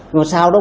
mà sau đó